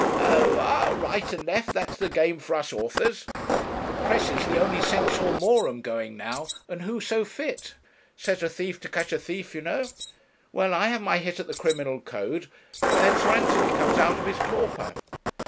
'Oh! ah! right and left, that's the game for us authors. The press is the only censor morum going now and who so fit? Set a thief to catch a thief, you know. Well, I have my hit at the criminal code, and then Sir Anthony comes out of his torpor.'